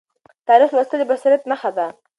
د تاریخ لوستل د بصیرت نښه ده.